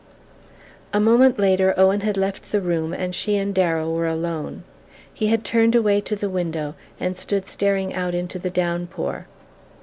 A moment later Owen had left the room and she and Darrow were alone. He had turned away to the window and stood staring out into the down pour.